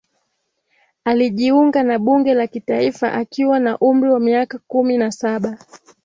alijiunga na bunge la kitaifa akiwa na umri wa miaka kumi na saba